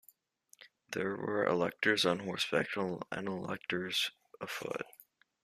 There were electors on horseback and electors afoot.